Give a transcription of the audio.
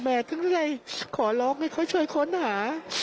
ถึงได้ขอร้องให้เขาช่วยค้นหา